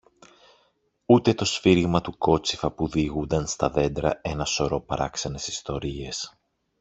ούτε το σφύριγμα του κότσυφα που διηγούνταν στα δέντρα ένα σωρό παράξενες ιστορίες.